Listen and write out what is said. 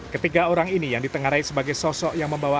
ketiga orang ini yang ditengarai sebagai sosok yang membawa